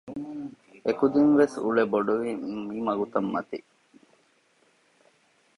އެކުދިން ވެސް އުޅޭ ބޮޑުވީ މި މަގުތައް މަތީ